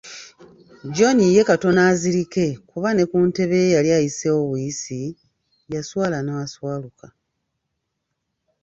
John ye katono azirike kuba ne ku ntebe ye yali ayiseewo buyisi, yaswala n’aswaluka.